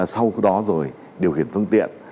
sau đó rồi điều khiển phương tiện